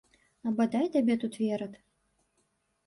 А бадай табе тут верад!